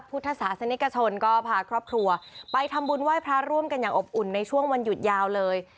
พุทธศาสนิกชนก็พาครอบครัวไปทำบุญไหว้พระร่วมกันอย่างอบอุ่นในช่วงวันหยุดยาวเลย